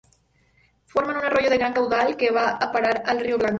Forman un arroyo de gran caudal que va a parar al río Blanco.